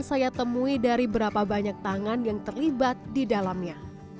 saya temui dari berapa banyak tangan yang terlibat di dalamnya